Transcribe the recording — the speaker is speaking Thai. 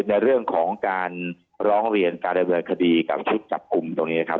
ในเรื่องของการร้องเรียนการดำเนินคดีกับชุดจับกลุ่มตรงนี้นะครับ